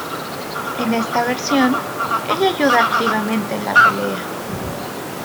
En esta versión, ella ayuda activamente en la pelea.